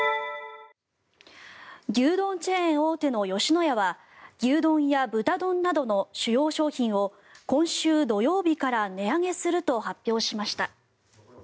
牛丼チェーン大手の吉野家は牛丼や豚丼などの主要商品を今週土曜日から値上げすると発表しました。